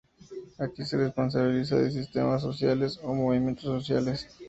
Aquí se responsabiliza de sistemas sociales o movimientos sociales.